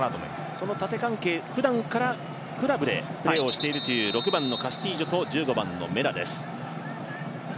その縦関係、ふだんからクラブでプレーをしているという６番のカスティージョと１５番のメナです